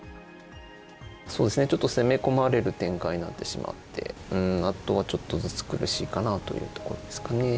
ちょっと攻め込まれる展開になってしまって、あとはちょっとずつ苦しいかなというところですかね。